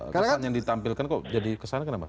kesannya ditampilkan kok jadi kesan kenapa